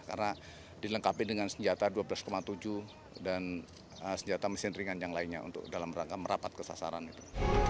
karena dilengkapi dengan senjata dua belas tujuh dan senjata mesin ringan yang lainnya untuk dalam rangka merapat kesasaran itu